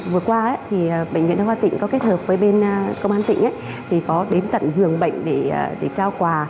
thứ ba thì bệnh viện đa khoa tỉnh có kết hợp với bên công an tỉnh thì có đến tận giường bệnh để trao quà